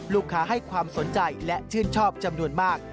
ลูกค้าให้ความสนใจและชื่นชอบจำนวนมาก